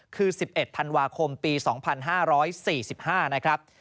คือ๑๑ธันวาคมปี๒๕๔๕นะครับ